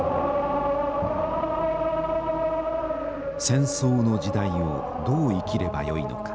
戦争の時代をどう生きればよいのか。